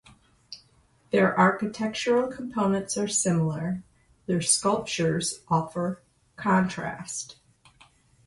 Their architectural components are similar; their sculptures offer contrast.